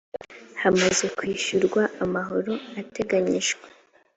hamaze kwishyurwa amahoro ateganyijwe